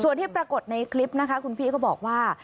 ส่วนที่ปรากฏในคลิปนะคะคุณพี่ก็บอกว่า